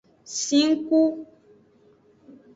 Sen ku.